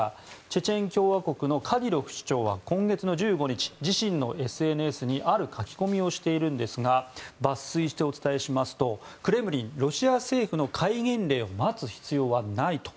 チェチェン共和国のカディロフ首長は今月１５日自身のＳＮＳにある書き込みをしているんですが抜粋してお伝えしますとクレムリン、ロシア政府の戒厳令を待つ必要はない、と。